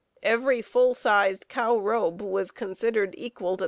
Every full sized cow robe was considered equal to $3.